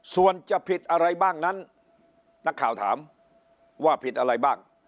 ส่วนจะผิดอะไรบ้างนั้นนักข่าวถามว่าผิดอะไรบ้าง